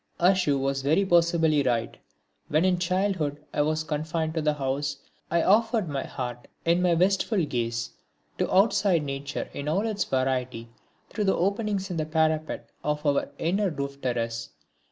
Ashu was very possibly right. When in childhood I was confined to the house, I offered my heart in my wistful gaze to outside nature in all its variety through the openings in the parapet of our inner roof terrace.